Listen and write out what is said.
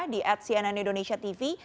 di at cnn indonesia tv